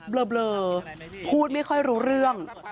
เบลอพูดไม่ค่อยรู้เรื่อง